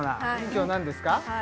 今日は何ですか？